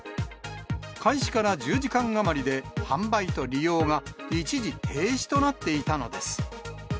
開始から１０時間余りで、販売と利用が一時停止となっていたのです。